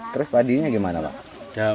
terus padinya gimana pak